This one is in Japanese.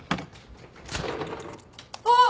あっ！